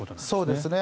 そうですね。